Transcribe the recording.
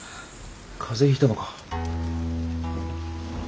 風邪ひいたのか。